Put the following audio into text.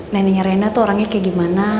neneknya rena tuh orangnya kayak gimana